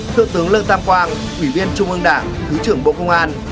thượng tướng lương tam quang ủy viên trung ương đảng thứ trưởng bộ công an